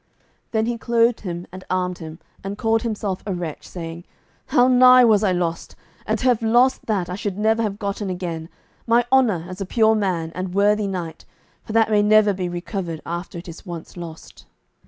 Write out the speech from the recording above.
Then he clothed him and armed him, and called himself a wretch, saying, "How nigh was I lost, and to have lost that I should never have gotten again, my honour as a pure man and worthy knight, for that may never be recovered after it is once lost."